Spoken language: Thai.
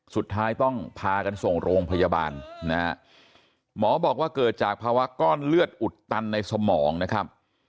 สุดท้ายต้องพากันส่งโรงพยาบาลนะฮะหมอบอกว่าเกิดจากภาวะก้อนเลือดอุดตันในสมองนะครับ